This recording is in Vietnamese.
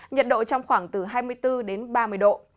nhiệt độ trong khoảng từ hai mươi bốn đến ba mươi độ